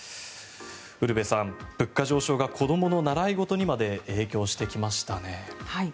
ウルヴェさん、物価上昇が子どもの習い事にまで影響してきましたね。